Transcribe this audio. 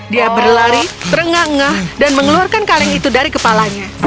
dia berlari terengah engah dan mengeluarkan kaleng itu dari kepalanya